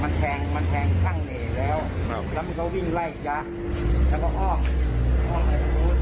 มันแทงมันแทงข้างเหล่าครับแล้วมันเขาวิ่งไล่อีกจากแล้วก็อ้อม